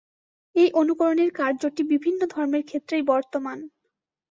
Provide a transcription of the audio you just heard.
এই অনুকরণের কার্যটি বিভিন্ন ধর্মের ক্ষেত্রেই বর্তমান।